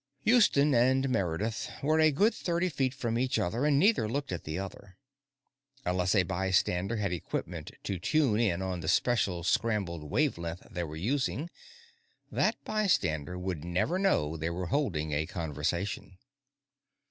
Houston and Meredith were a good thirty feet from each other, and neither looked at the other. Unless a bystander had equipment to tune in on the special scrambled wavelength they were using, that bystander would never know they were holding a conversation.